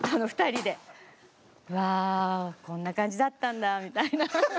「わあこんな感じだったんだ」みたいな。